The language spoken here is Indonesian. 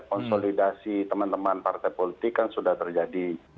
konsolidasi teman teman partai politik kan sudah terjadi